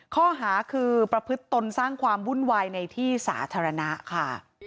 ข้อหาคือประพฤติตนสร้างความวุ่นวายในที่สาธารณะค่ะ